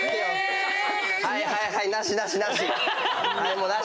はいはいはいなしなしなし。